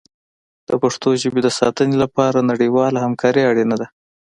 د پښتو ژبې د ساتنې لپاره نړیواله همکاري اړینه ده.